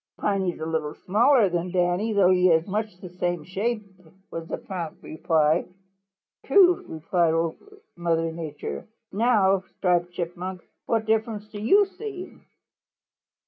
"Piney is a little smaller than Danny, though he is much the same shape," was the prompt reply. "True," said Old Mother Nature. "Now, Striped Chipmunk, what difference do you see?"